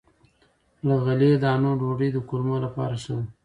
له غلې- دانو ډوډۍ د کولمو لپاره ښه ده.